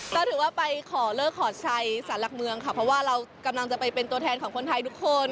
ก็ถือว่าไปขอเลิกขอชัยสารหลักเมืองค่ะเพราะว่าเรากำลังจะไปเป็นตัวแทนของคนไทยทุกคน